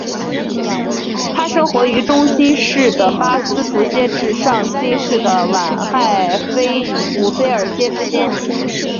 它生活于中新世的巴斯图阶至上新世的晚亥姆菲尔阶之间。